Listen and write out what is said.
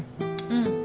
うん。